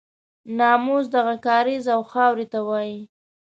ناموس دغه کاریز او خاورې ته وایي.